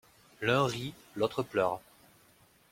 L’un rit, l’autre pleure.